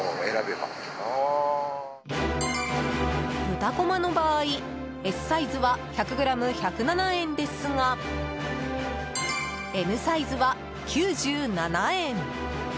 豚こまの場合、Ｓサイズは１００ｇ１０７円ですがＭサイズは９７円。